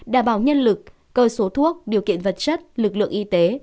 đảm bảo nhân lực cơ số thuốc điều kiện vật chất lực lượng y tế